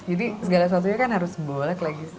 jadi segala sesuatunya kan harus bolek lagi